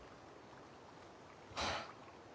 はあ。